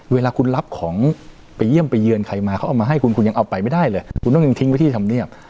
เวลาคุณรับของไปเยี่ยมไปเยือนใครมาเขาเอามาให้คุณคุณยังเอาไปไม่ได้เลยคุณต้องยังทิ้งไว้ที่ธรรมเนียบ